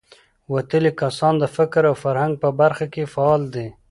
وتلي کسان د فکر او فرهنګ په برخه کې فعال دي.